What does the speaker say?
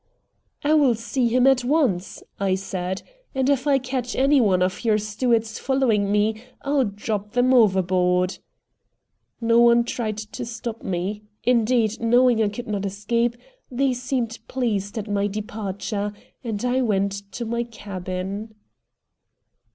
"I will see him at once," I said. "And if I catch any of your stewards following ME, I'll drop them overboard." No one tried to stop me indeed, knowing I could not escape, they seemed pleased at my departure, and I went to my cabin.